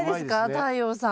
太陽さん。